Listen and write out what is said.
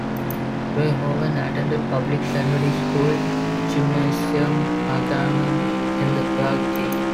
Verhoeven attended public secondary school Gymnasium Haganum in The Hague.